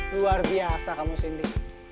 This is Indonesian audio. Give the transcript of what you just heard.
luar biasa kamu sinti